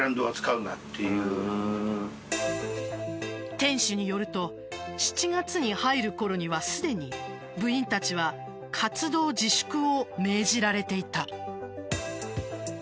店主によると７月に入るころにはすでに部員たちは活動自粛を命じられていた。